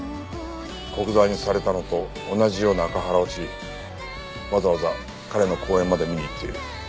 古久沢にされたのと同じようなアカハラをしわざわざ彼の講演まで見に行っている。